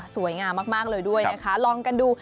สวยงามมากเลยด้วยนะคะลองกันดู